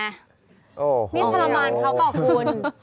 นี่พละมันเขาก็อบคุณ